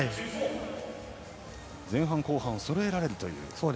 前半、後半をそろえられるという。